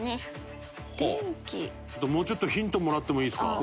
ちょっともうちょっとヒントもらってもいいですか？